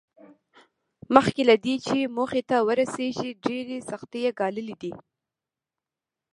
مخکې له دې چې موخې ته ورسېږي ډېرې سختۍ یې ګاللې دي